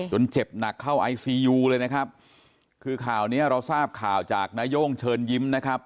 เจ็บหนักเข้าไอซียูเลยนะครับคือข่าวเนี้ยเราทราบข่าวจากนาย่งเชิญยิ้มนะครับ